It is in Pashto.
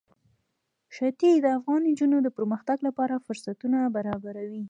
ښتې د افغان نجونو د پرمختګ لپاره فرصتونه برابروي.